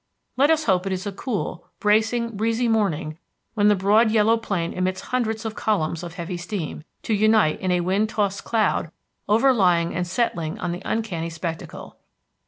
Let us hope it is a cool, bracing, breezy morning when the broad yellow plain emits hundreds of columns of heavy steam to unite in a wind tossed cloud overlying and setting off the uncanny spectacle.